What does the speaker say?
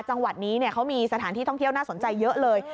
จังหวัดนี้เขามีสถานที่ท่องเที่ยวน่าสนใจเยอะเลย